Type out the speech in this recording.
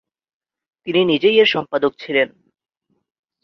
তিনি নিজেই এর সম্পাদক ছিলেন।